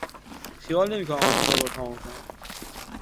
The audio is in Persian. خیال نمیکنم آن کتاب را تمام کند.